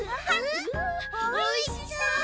おいしそう！